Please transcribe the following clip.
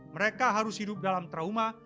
mereka harus hidup dalam trauma